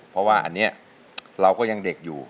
เพราะว่าอันนี้เราก็ยังเด็กอยู่